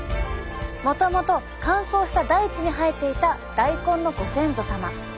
もともと乾燥した大地に生えていた大根のご先祖様。